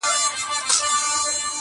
د حیا نه یې شډل رنګونه څاڅي